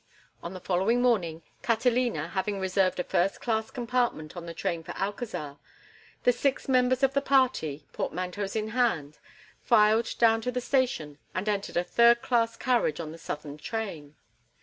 On the following morning Catalina, having reserved a first class compartment on the train for Alcazar, the six members of the party, portmanteaus in hand, filed down to the station and entered a third class carriage on the southern train.